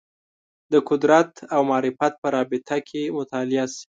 د قدرت او معرفت په رابطه کې مطالعه شي